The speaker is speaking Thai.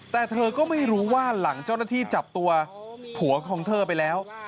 แต่เธอก็ไม่รู้ว่าหลังเจ้าหน้าที่จับตัวผัวของเธอไปแล้ว